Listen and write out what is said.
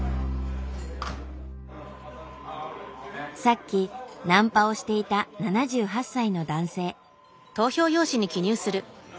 さっきナンパをしていた７８歳の男性。